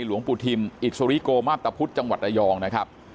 หลวงปู่ทิมอิสริโกมาตรพุทธจังหวัดระยองนะครับ